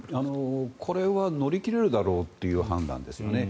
これは乗り切れるだろうという判断ですね。